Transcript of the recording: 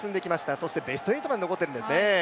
そしてベスト８まで残ってるんですね。